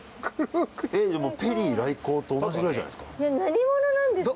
じゃあペリー来航と同じくらいじゃないですか？